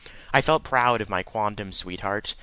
I felt proud of my quondam sweetheart.